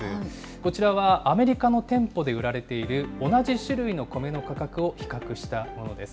こちらはアメリカの店舗で売られている同じ種類のコメの価格を比較したものです。